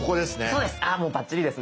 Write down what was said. そうです。